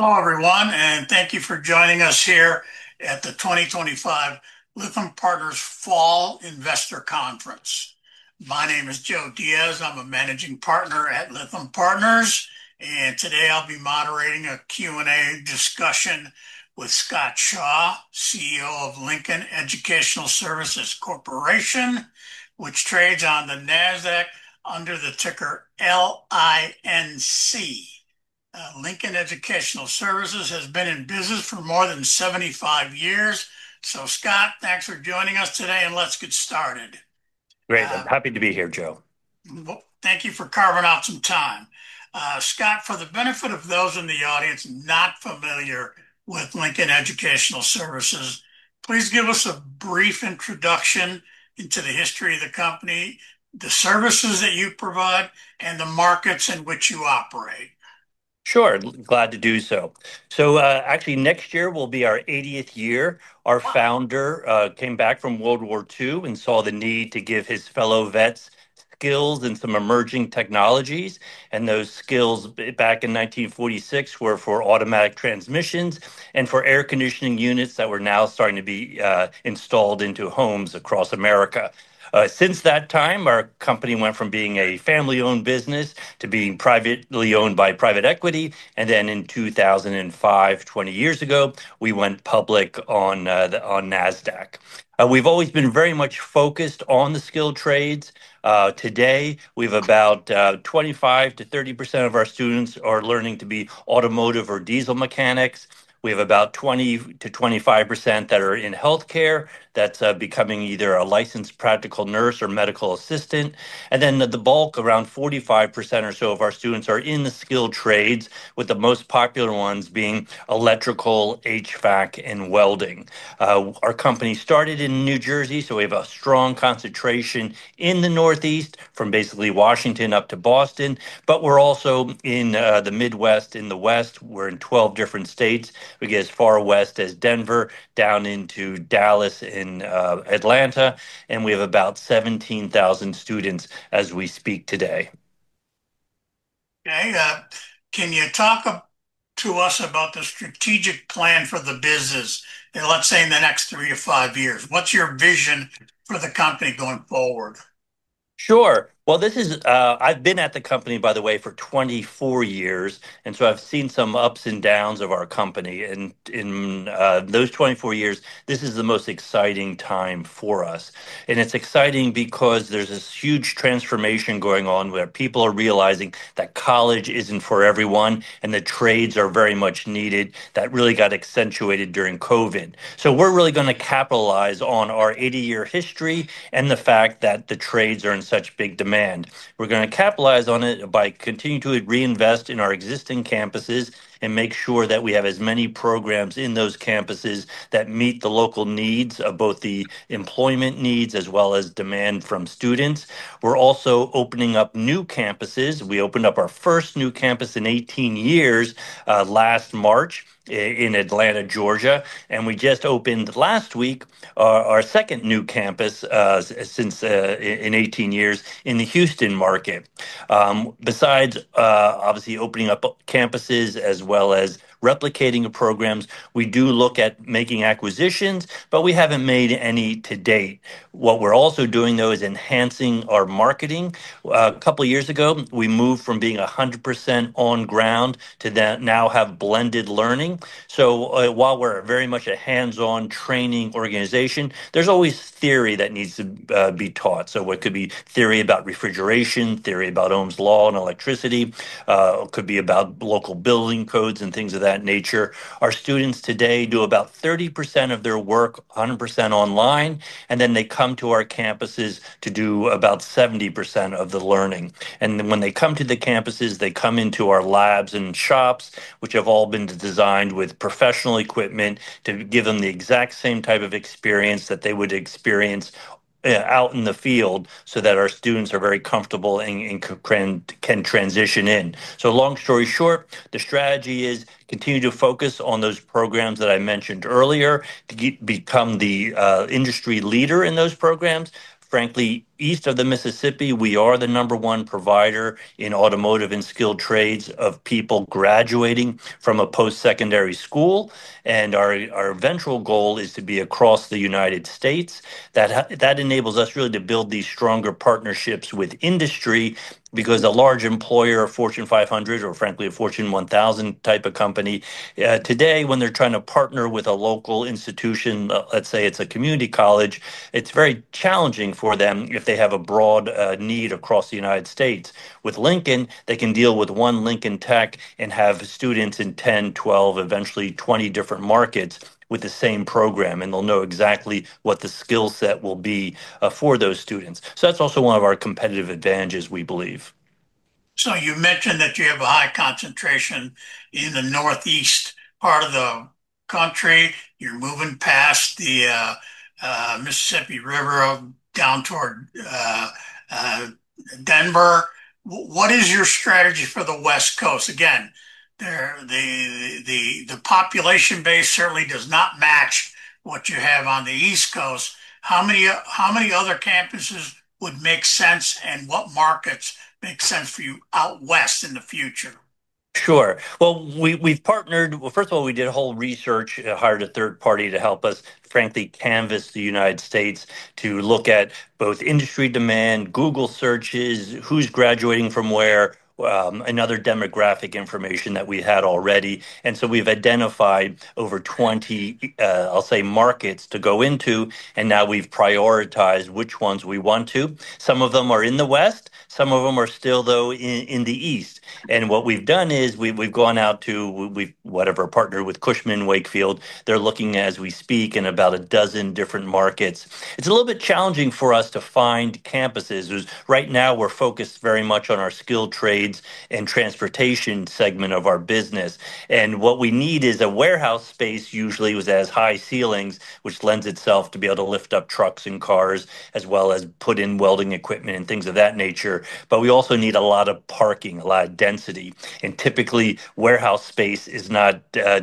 Hello, everyone, and thank you for joining us here at the 2025 Lytham Partners Fall Investor Conference. My name is Joe Diaz. I'm a Managing Partner at Lytham Partners. Today I'll be moderating a Q&A discussion with Scott Shaw, CEO of Lincoln Educational Services Corporation, which trades on the NASDAQ under the ticker LINC. Lincoln Educational Services has been in business for more than 75 years. Scott, thanks for joining us today. Let's get started. Great. I'm happy to be here. Joe, thank you for carving out some time. Scott, for the benefit of those in the audience not familiar with Lincoln Educational Services Corporation, please give us a brief introduction into the history of the company, the services that you provide, and the markets in which you operate. Sure. Glad to do so. Actually, next year will be our 80th year. Our founder came back from World War II and saw the need to give his fellow vets skills and some emerging technologies. Those skills back in 1946 were for automatic transmissions and for air conditioning units that were now starting to be installed into homes across America. Since that time, our company went from being a family owned business to being privately owned by private equity. In 2005, 20 years ago, we went public on NASDAQ. We've always been very much focused on the skilled trades. Today we have about 25%-30% of our students learning to be automotive or diesel mechanics. We have about 20%-25% that are in healthcare, that's becoming either a Licensed Practical Nurse or medical assistant. The bulk, around 45% or so of our students, are in the skilled trades, with the most popular ones being electrical, HVAC, and welding. Our company started in New Jersey, so we have a strong concentration in the Northeast, from basically Washington up to Boston. We're also in the Midwest, in the West, we're in 12 different states. We get as far west as Denver, down into Dallas, in Atlanta. We have about 17,000 students as we speak today. Okay, can you talk to us about the strategic plan for the business, let's say in the next 3-5 years? What's your vision for the company going forward? Sure. I have been at the company, by the way, for 24 years. I have seen some ups and downs of our company. In those 24 years, this is the most exciting time for us. It is exciting because there is this huge transformation going on where people are realizing that college is not for everyone, and the trades are very much needed. That really got accentuated during COVID. We are really going to capitalize on our 80-year history and the fact that the trades are in such big demand. We are going to capitalize on it by continuing to reinvest in our existing campuses and make sure that we have as many programs in those campuses that meet the local needs of both the employment needs as well as demand from students. We are also opening up new campuses. We opened up our first new campus last March in Atlanta, Georgia, and we just opened last week our second new campus in 18 years in the Houston market. Besides obviously opening up campuses as well as replicating programs, we do look at making acquisitions, but we have not made any to date. What we are also doing is enhancing our marketing. A couple of years ago we moved from being 100% on ground to now having blended learning. While we are very much a hands-on training organization, there is always theory that needs to be taught. It could be theory about refrigeration, theory about Ohm's law and electricity, or about local building codes and things of that nature. Our students today do about 30% of their work 100% online, and then they come to our campuses to do about 70% of the learning. When they come to the campuses, they come into our labs and shops, which have all been designed with professional equipment to give them the exact same type of experience that they would experience out in the field so that our students are very comfortable and can transition in. Long story short, the strategy is to continue to focus on those programs that I mentioned earlier, to become the industry leader in those programs. Frankly, east of the Mississippi, we are the number one provider in automotive and skilled trades of people graduating from a post-secondary school. Our eventual goal is to be across the United States. That enables us to build these stronger partnerships with industry. A large employer, a Fortune 500 or frankly a Fortune 1000 type of company today, when they are trying to partner with a local institution, let's say it is a community college, it is very challenging for them if they have a broad need across the United States. With Lincoln, they can deal with one Lincoln Tech and have students in 10, 12, eventually 20 different markets with the same program, and they will know exactly what the skill set will be for those students. That is also one of our competitive advantages, we believe. You mentioned that you have a high concentration in the Northeast part of the country. You're moving past the Mississippi River down toward Denver. What is your strategy for the West Coast? The population base certainly does not match what you have on the East Coast. How many other campuses would make sense, and what markets make sense for you out west in the future? Sure. We've partnered well. First of all, we did a whole research, hired a third party to help us frankly canvas the United States to look at both industry demand, Google searches, who's graduating from where, and other demographic information that we had already. We've identified over 20, I'll say, markets to go into, and now we've prioritized which ones we want to. Some of them are in the west, some of them are still in the east. We've gone out to partner with Cushman & Wakefield. They're looking, as we speak, in about a dozen different markets. It's a little bit challenging for us to find campuses right now. We're focused very much on our skilled trades and transportation segment of our business. What we need is a warehouse space, usually has high ceilings, which lends itself to be able to lift up trucks and cars as well as put in welding equipment and things of that nature. We also need a lot of parking, a lot of density, and typically warehouse space is not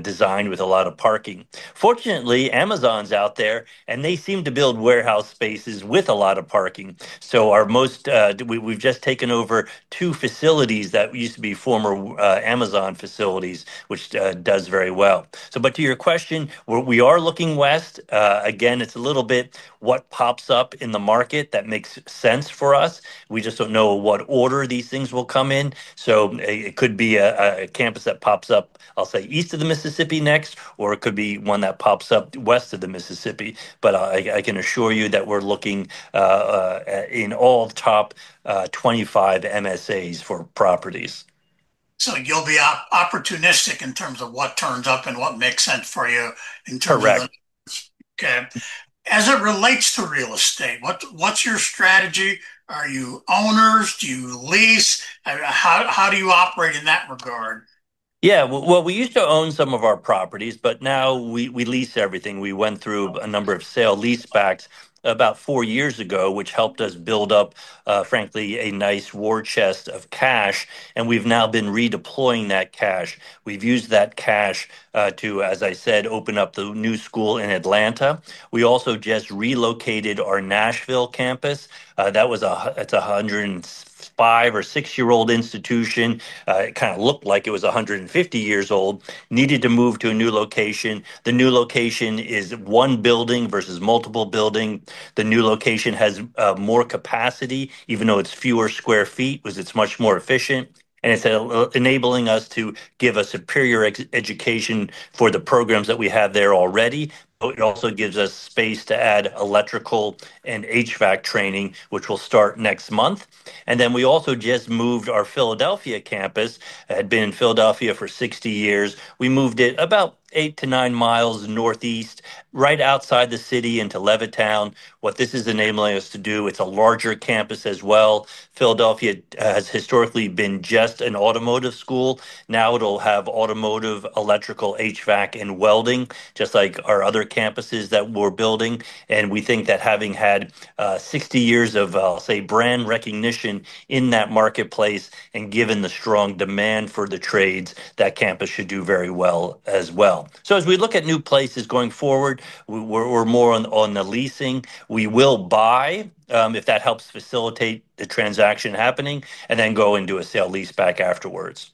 designed with a lot of parking. Fortunately, Amazon's out there and they seem to build warehouse spaces with a lot of parking. We've just taken over two facilities that used to be former Amazon facilities, which does very well. To your question, we are looking west again. It's a little bit what pops up in the market that makes sense for us. We just don't know what order these things will come in. It could be a campus that pops up, I'll say, east of the Mississippi next or it could be one that pops up west of the Mississippi. I can assure you that we're looking in all top 25 MSAs for properties. You'll be opportunistic in terms of what turns up and what makes sense for you. Correct. Okay. As it relates to real estate, what's your strategy? Are you owners? Do you lease? How do you operate in that regard? Yeah, we used to own some of our properties, but now we lease everything. We went through a number of sale leasebacks about four years ago, which helped us build up, frankly, a nice war chest of cash. We've now been redeploying that cash. We've used that cash to, as I said, open up the new school in Atlanta. We also just relocated our Nashville campus that was a 105 or 106 year old institution. It kind of looked like it was 150 years old. Needed to move to a new location. The new location is one building versus multiple buildings. The new location has more capacity even though it's fewer square feet because it's much more efficient. It's enabling us to give a superior education for the programs that we have there already. It also gives us space to add electrical and HVAC training, which will start next month. We also just moved our Philadelphia campus, had been in Philadelphia for 60 years. We moved it about 8-9 miles northeast, right outside the city into Levittown. What this is enabling us to do, it's a larger campus as well. Philadelphia has historically been just an automotive school. Now it'll have automotive, electrical, HVAC, and welding, just like our other campuses that we're building. We think that having had 60 years of, say, brand recognition in that marketplace and given the strong demand for the trades, that campus should do very well as well. As we look at new places going forward, we're more on the leasing. We will buy if that helps facilitate the transaction happening and then go into a sale leaseback afterwards.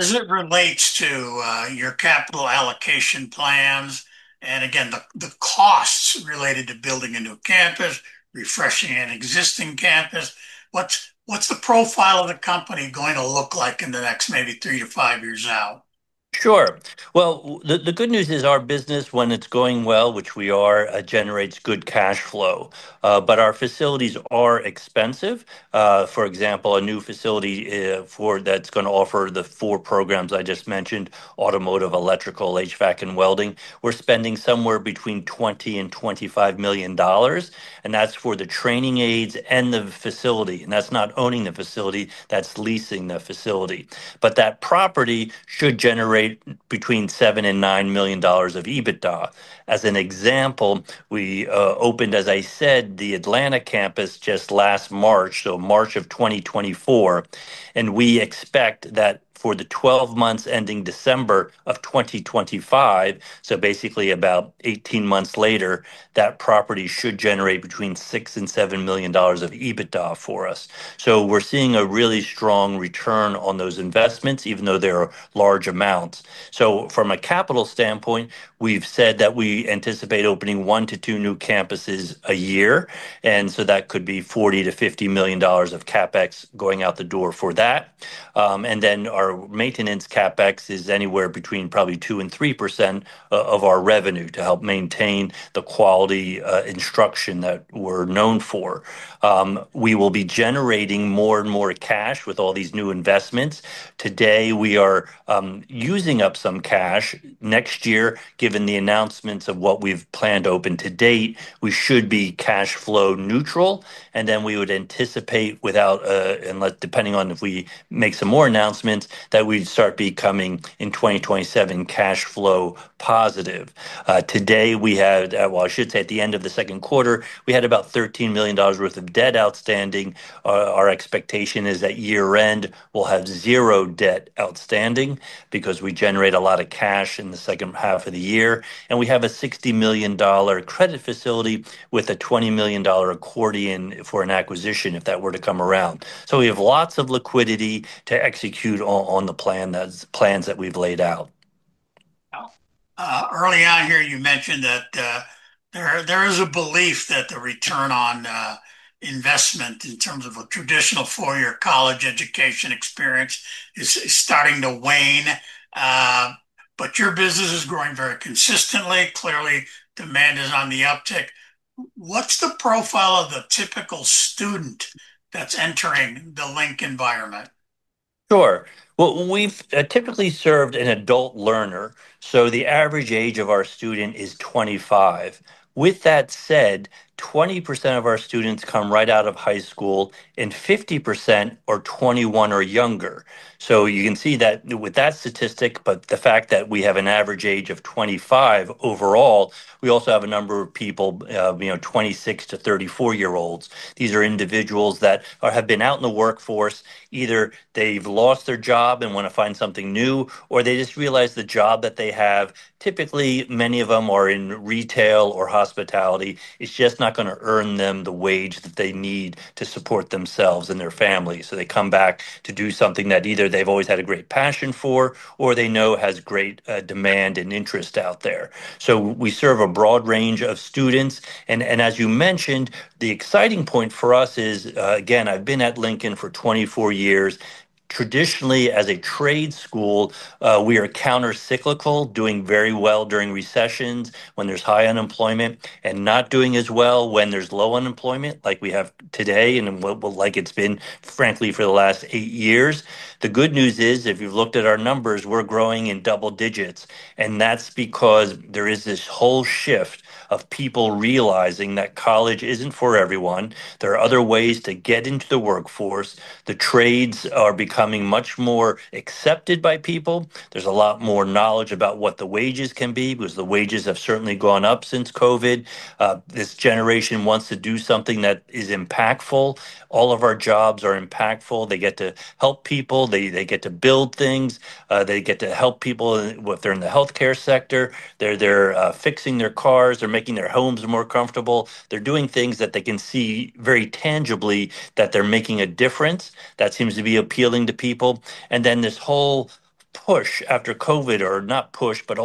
As it relates to your capital allocation plans, the costs related to building a new campus, refreshing an existing campus, what's the profile of the company going to look like in the next maybe 3-5 years now? Sure. The good news is our business, when it's going well, which we are, generates good cash flow. Our facilities are expensive. For example, a new facility that's going to offer the four programs I just mentioned, automotive, electrical, HVAC, and welding, we're spending somewhere between $20 million-$25 million. That's for the training aids and the facility. That's not owning the facility, that's leasing the facility, but that property should generate between $7 million-$9 million of EBITDA. As an example, we opened, as I said, the Atlanta campus just last March of 2024. We expect that for the 12 months ending December of 2025. Basically, about 18 months later, that property should generate between $6 million-$7 million of EBITDA for us. We're seeing a really strong return on those investments, even though they're large amounts. From a capital standpoint, we've said that we anticipate opening one to two new campuses a year. That could be $40 million-$50 million of CapEx going out, and then our maintenance CapEx is anywhere between probably 2%-3% of our revenue to help maintain the quality instruction that we're known for. We will be generating more and more cash with all these new investments. Today, we are using up some cash. Next year, given the announcements of what we've planned open to date, we should be cash flow neutral, and then we would anticipate, depending on if we make some more announcements, that we start becoming in 2027 cash flow positive. Today we had, I should say at the end of the second quarter, we had about $13 million worth of debt outstanding. Our expectation is that at year end we'll have zero debt outstanding because we generate a lot of cash in the second half of the year. We have a $60 million credit facility with a $20 million accordion for an acquisition if that were to come around. We have lots of liquidity to execute on the plan, the plans that we've laid out. Early on here, you mentioned that there is a belief that the return on investment in terms of a traditional four-year college education experience is starting to wane. Your business is growing very consistently. Clearly, demand is on the uptick. What's the profile of the typical student that's entering the Lincoln environment? Sure. We have typically served an adult learner, so the average age of our student is 25. With that said, 20% of our students come right out of high school and 50% are 21 or younger. You can see that with that statistic. The fact that we have an average age of 25 overall, we also have a number of people 26-34 year olds. These are individuals that have been out in the workforce. Either they've lost their job and want to find something new or they just realize the job that they have, typically many of them are in retail or hospitality, is just not going to earn them the wage that they need to support themselves and their families. They come back to do something that either they've always had a great passion for or they know has great demand and interest out there. We serve a broad range of students. As you mentioned, the exciting point for us is again, I've been at Lincoln for 24 years. Traditionally as a trade school, we are countercyclical, doing very well during recessions when there's high unemployment and not doing as well when there's low unemployment like we have today and like it's been frankly for the last eight years. The good news is, if you've looked at our numbers, we're growing in double digits. That's because there is this whole shift of people realizing that college isn't for everyone. There are other ways to get into the workforce. The trades are becoming much more acceptable. There's a lot more knowledge about what the wages can be because the wages have certainly gone up since COVID. This generation wants to do something that is impactful. All of our jobs are impactful. They get to help people, they get to build things, they get to help people. They're in the healthcare sector, they're fixing their cars, they're making their homes more comfortable. They're doing things that they can see very tangibly that they're making a difference. That seems to be appealing to people. This whole push after COVID, or not push, but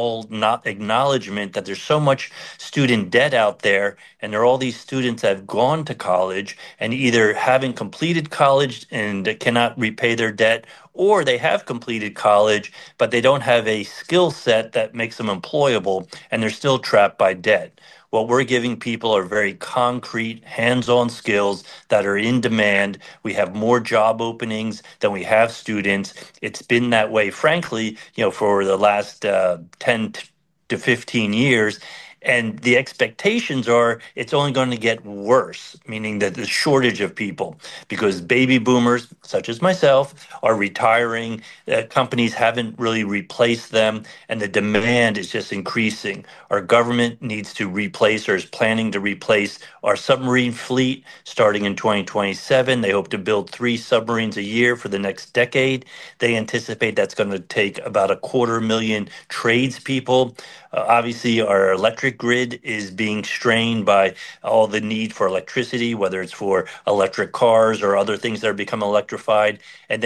acknowledgment that there's so much student debt out there. There are all these students that have gone to college and either haven't completed college and cannot repay their debt or they have completed college but they don't have a skill set that makes them employable and they're still trapped by debt. What we're giving people are very concrete hands-on skills that are in demand. We have more job openings than we have students. It's been that way frankly for the last 10-15 years. The expectations are it's only going to get worse, meaning that the shortage of people because baby boomers such as myself are retiring, companies haven't really replaced them, and the demand is just increasing. Our government needs to replace, or is planning to replace, our submarine fleet starting in 2027. They hope to build three submarines a year for the next decade. They anticipate that's going to take a 250,000 tradespeople. Obviously, our electric grid is being strained by all the need for electricity, whether it's for electric cars or other things that are becoming electrified.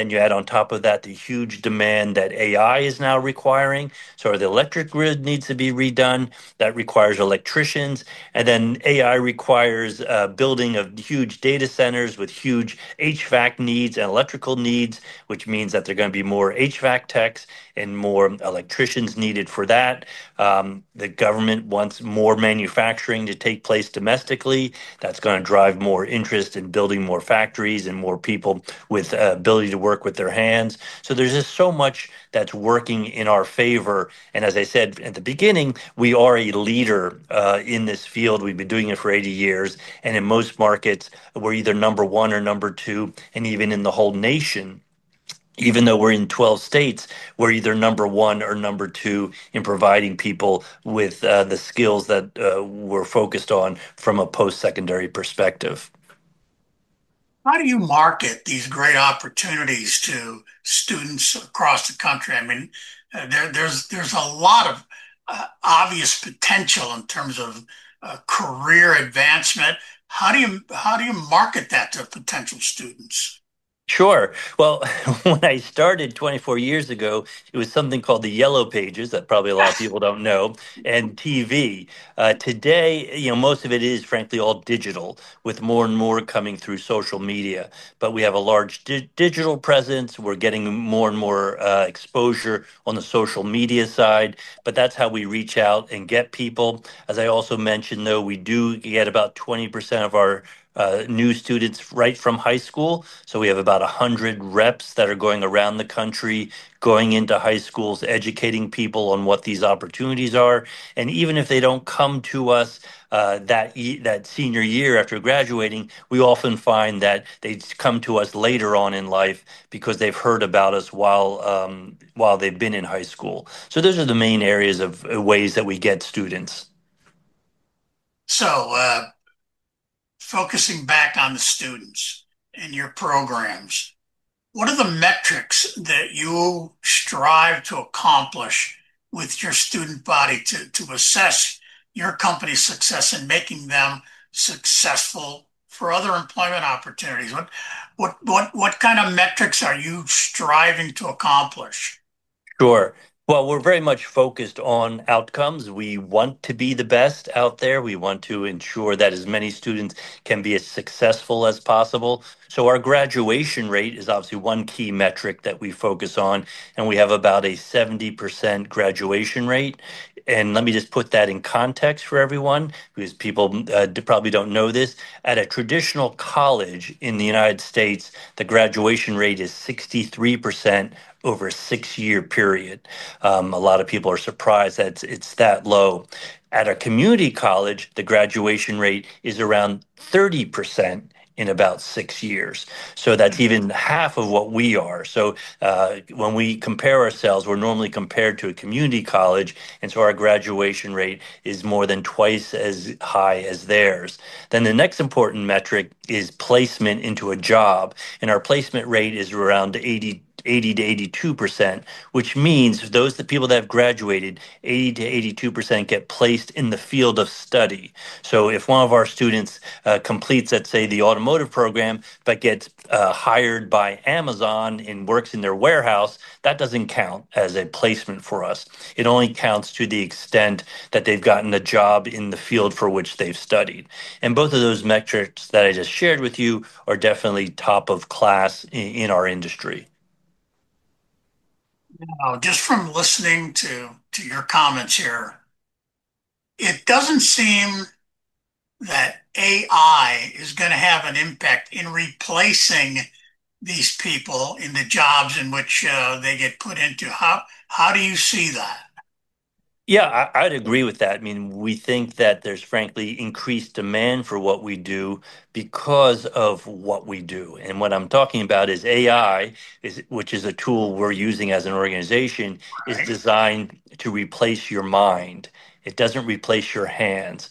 You add on top of that the huge demand that AI is now requiring. The electric grid needs to be redone. That requires electricians, and AI requires building of huge data centers with huge HVAC needs and electrical needs, which means that there are going to be more HVAC techs and more electricians needed for that. The government wants more manufacturing to take place domestically. That's going to drive more interest in building more factories and more people with ability to work with their hands. There is just so much that's working in our favor. As I said at the beginning, we are a leader in this field. We've been doing it for 80 years, and in most markets we're either number one or number two. Even in the whole nation, even though we're in 12 states, we're either number one or number two in providing people with the skills, skills that we're focused on from a post-secondary perspective. How do you market these great opportunities to students across the country? I mean, there's a lot of obvious potential in terms of career advancement. How do you market that to potential students? Sure. When I started 24 years ago, it was something called the Yellow Pages that probably a lot of people don't know. TV today, most, it is frankly all digital with more and more coming through social media. We have a large digital presence. We're getting more and more exposure on the social media side, that's how we reach out and get people. As I also mentioned, we do get about 20% of our new students right from high school. We have about 100 reps that are going around the country going into high schools, educating people on what these opportunities are. Even if they don't come to us that senior year after graduating, we often find that they come to us later on in life because they've heard about us while they've been in high school. Those are the main areas of ways that we get students. Focusing back on the students and your programs, what are the metrics that you strive to accomplish with your student body to assess your company's success in making them successful for other employment opportunities? What kind of metrics are you striving to accomplish? Sure. We're very much focused on outcomes. We want to be the best out there. We want to ensure that as many students can be as successful as possible. Our graduation rate is obviously one key metric that we focus on. We have about a 70% graduation rate. Let me just put that in context for everyone because people probably don't know this. At a traditional college in the United States, the graduation rate is 63% over a six-year period. A lot of people are surprised that it's that low. At a community college, the graduation rate is around 30% in about six years. That's even half of what we are. When we compare ourselves, we're normally compared to a community college, and our graduation rate is more than twice as high as theirs. The next important metric is placement into a job. Our placement rate is around 80%, 80%-82%, which means those people that have graduated, 80%-82% get placed in the field of study. If one of our students completes, let's say, the automotive program but gets hired by Amazon and works in their warehouse, that doesn't count as a placement for us. It only counts to the extent that they've gotten a job in the field for which they've studied. Both of those metrics that I just shared with you are definitely top of class in our industry. Just from listening to your comments here, it doesn't seem that AI is going to have an impact in replacing these people in the jobs in which they get put into. How do you see that? Yeah, I'd agree with that. I mean, we think that there's frankly increased demand for what we do because of what we do. What I'm talking about is AI, which is a tool we're using as an organization, is designed to replace your mind. It doesn't replace your hands.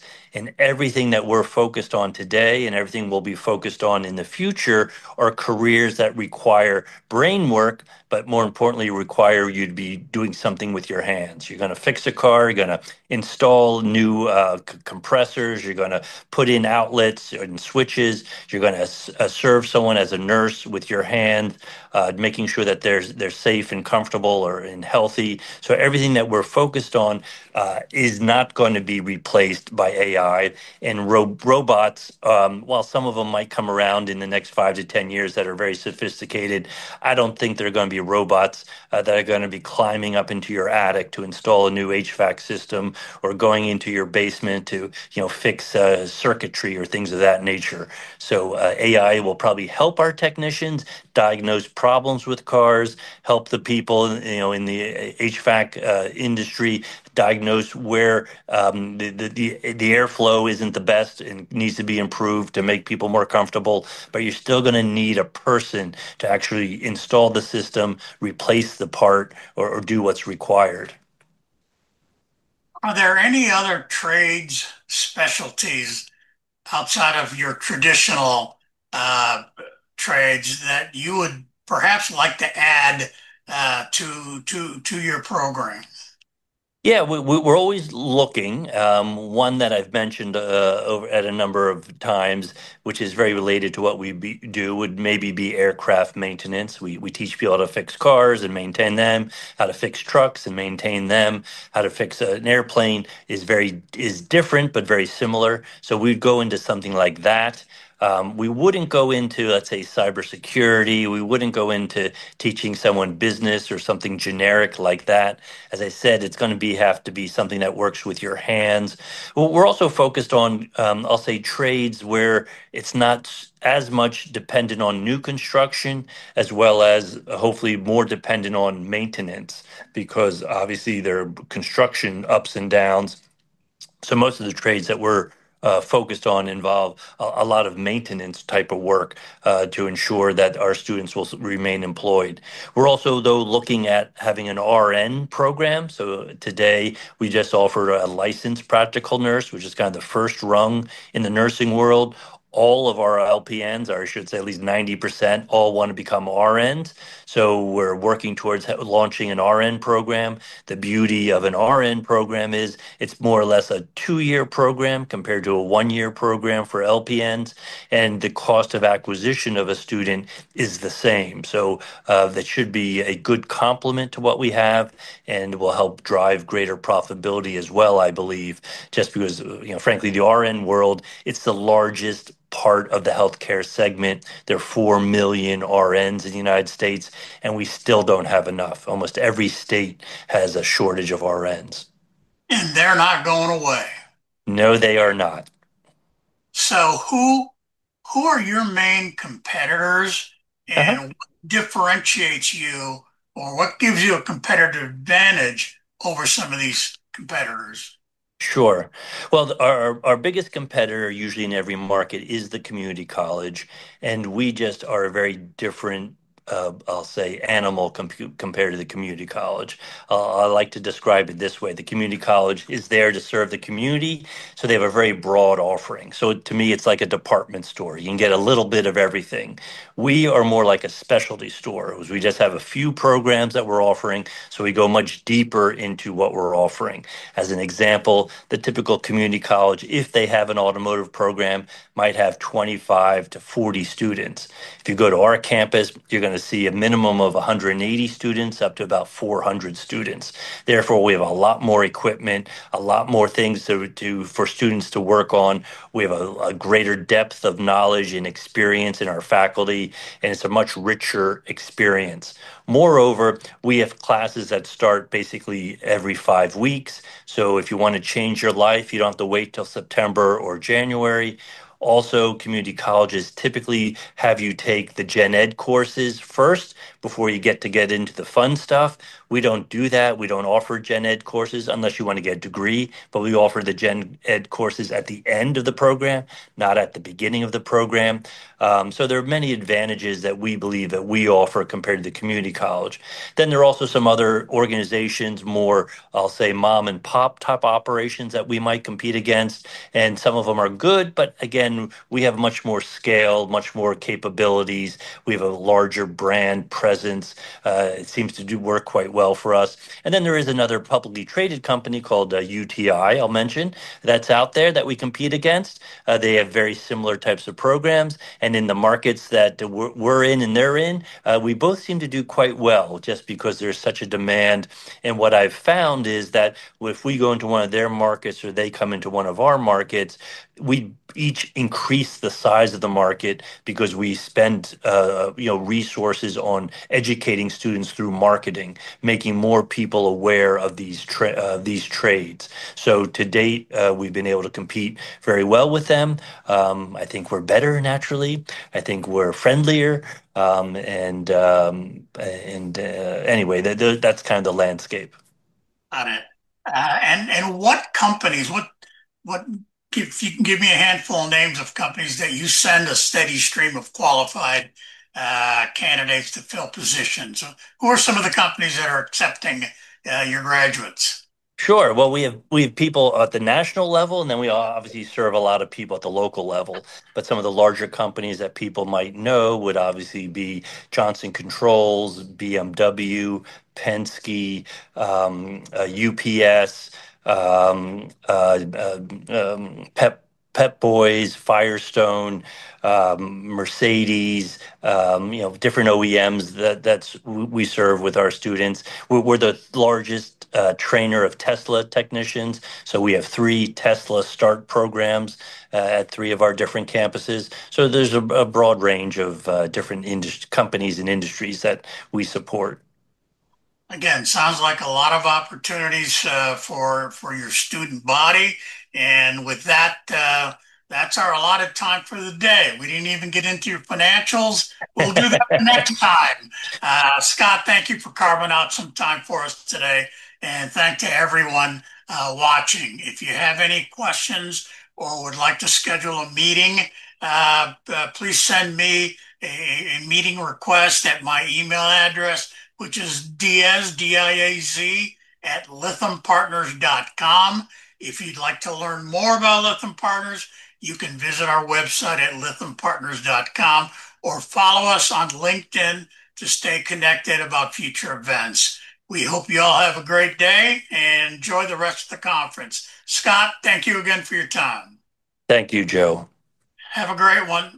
Everything that we're focused on today and everything we'll be focused on in the future are careers that require brain work, but more importantly, require you to be doing something with your hands. You're going to fix a car, you're going to install new compressors, you're going to put in outlets and switches. You're going to serve someone as a nurse with your hand, making sure that they're safe and comfortable or healthy. Everything that we're focused on is not going to be replaced by AI and robots. While some of them might come around in the next 5-10 years that are very sophisticated, I don't think they're going to be robots that are going to be climbing up into your attic to install a new HVAC system or going into your basement to fix circuitry or things of that nature. AI will probably help our technicians diagnose problems with cars, help the people in the HVAC industry diagnose where the airflow isn't the best and needs to be improved to make people more comfortable. You're still going to need a person to actually install the system, replace the part, or do what's required. Are there any other trades, specialties outside of your traditional trades that you would perhaps like to add to your program? Yeah, we're always looking. One that I've mentioned a number of times, which is very related to what we do, would maybe be aircraft maintenance. We teach people how to fix cars and maintain them, how to fix trucks and maintain them, how to fix an airplane. Airplane is different, but very similar. We go into something like that. We wouldn't go into, let's say, cybersecurity. We wouldn't go into teaching someone business or something generic like that. As I said, it's going to have to be something that works with your hands. We're also focused on, I'll say, trades where it's not as much dependent on new construction as well as hopefully more dependent on maintenance because obviously there are construction ups and downs. Most of the trades that we're focused on involve a lot of maintenance type of work to ensure that our students will remain employed. We're also looking at having an RN program. Today we just offered a Licensed Practical Nurse program, which is kind of the first rung in the nursing world. All of our LPNs, or I should say at least 90%, all want to become RNs. We're working towards launching an RN program. The beauty of an RN program is it's more or less a two-year program compared to a one-year program for LPNs. The cost of acquisition of a student is the same. That should be a good complement to what we have and will help drive greater profitability as well, I believe, just because frankly the RN world, it's the largest part of the healthcare segment. There are 4 million RNs in the United States and we still don't have enough. Almost every state has a shortage of. RNs and they're not going away. No, they are not. Who are your main competitors and what differentiates you or what gives you a competitive advantage over some of these competitors? Sure. Our biggest competitor usually in every market is the community college. We just are a very different, I'll say, animal compared to the community college. I like to describe it this way. The community college is there to serve the community, so they have a very broad offering. To me it's like a department store. You can get a little bit of everything. We are more like a specialty store. We just have a few programs that we're offering, so we go much deeper into what we're offering. As an example, the typical community college, if they have an automotive program, might have 25-40 students. If you go to our campus, you're going to see a minimum of 180 students, up to about 400 students. Therefore, we have a lot more equipment, a lot more things to do for students to work on. We have a greater depth of knowledge and experience in our faculty, and it's a much richer experience. Moreover, we have classes that start basically every five weeks. If you want to change your life, you don't have to wait till September or January. Also, community colleges typically have you take the gen ed courses first before you get into the fun stuff. We don't do that. We don't offer gen ed courses unless you want to get a degree, but we offer the gen ed courses at the end of the program, not at the beginning of the program. There are many advantages that we believe we offer compared to the community college. There are also some other organizations, more, I'll say, mom and pop type operations that we might compete against. Some of them are good. Again, we have much more scale, much more capabilities. We have a larger brand presence. It seems to work quite well for us. There is another publicly traded company called UTI I'll mention that's out there that we compete against. They have very similar types of programs. In the markets that we're in and they're in, we both seem to do quite well just because there's such a demand. What I've found is that if we go into one of their markets or they come into one of our markets, we each increase the size of the market because we spend resources on educating students through marketing, making more people aware of these trades. To date we've been able to compete very well with them. I think we're better, naturally. I think we're friendlier. Anyway, that's kind of the landscape. Got it. What companies? If you can give me a handful of names of companies that you send a steady stream of qualified candidates to fill positions, who are some of the companies that are accepting your graduates? Sure. We have people at the national level and then we obviously serve a lot of people at the local level. Some of the larger companies that people might know would obviously be Johnson Controls, BMW, Penske, UPS, Pep Boys, Firestone, Mercedes-Benz, you know, different OEMs that we serve with our students. We're the largest trainer of Tesla technicians. We have three Tesla START programs at three of our different campuses. There's a broad range of different companies in industries that we support. Again, sounds like a lot of opportunities for your student body. With that, that's our allotted time for the day. We didn't even get into your financials. We'll do that next time. Scott, thank you for carving out some time for us today. Thank you, everyone watching. If you have any questions or would like to schedule a meeting, please send me a meeting request at my email address, which is dndiaz@lythampartners.com. If you'd like to learn more about Lytham Partners, you can visit our website at lythampartners.com or follow us on LinkedIn to stay connected about future events. We hope you all have a great day and enjoy the rest of the conference. Scott, thank you again for your time. Thank you, Joe. Have a great one.